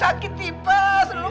jangan sakit tipes mak